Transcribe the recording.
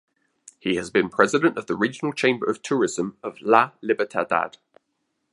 He has been president of the Regional Chamber of Tourism of La Libertad.